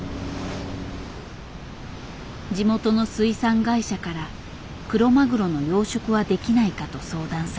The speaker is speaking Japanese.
地元の水産会社からクロマグロの養殖はできないかと相談された。